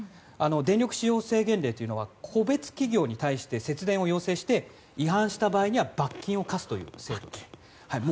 電力使用制限令というのは個別企業に対して節電を要請して違反した場合には罰金を科すというものです。